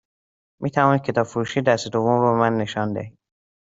می توانید کتاب فروشی دست دوم رو به من نشان دهید؟